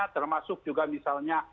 termasuk juga misalnya